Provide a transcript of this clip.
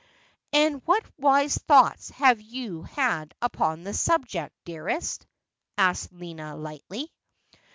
'And what wise thoughts have you had upon the subject, dearest ?' a^ked Lina lightly.